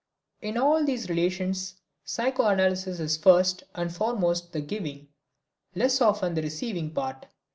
In all of these relations, psychoanalysis is first and foremost the giving, less often the receiving, part.